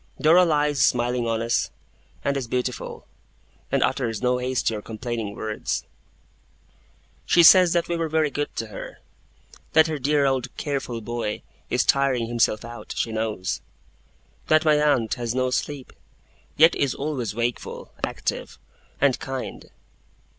Dora lies smiling on us, and is beautiful, and utters no hasty or complaining word. She says that we are very good to her; that her dear old careful boy is tiring himself out, she knows; that my aunt has no sleep, yet is always wakeful, active, and kind.